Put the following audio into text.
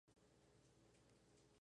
Por esto Monty se va de la oficina.